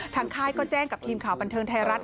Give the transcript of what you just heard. ค่ายก็แจ้งกับทีมข่าวบันเทิงไทยรัฐ